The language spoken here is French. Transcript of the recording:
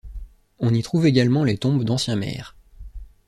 On y trouve également les tombes d'anciens maires.